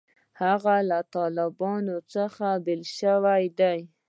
هغه له طالبانو څخه بېل شوی دی.